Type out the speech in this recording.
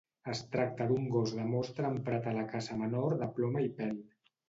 Es tracta d'un gos de mostra emprat a la caça menor de ploma i pèl.